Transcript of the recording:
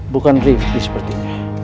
bukan rufki sepertinya